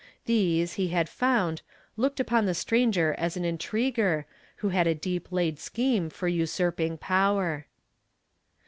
These, he had found, looked upon the stranger as an intriguer, who had a deep laid scheme for usurping power.